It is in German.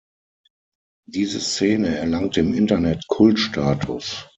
Diese Szene erlangte im Internet Kultstatus.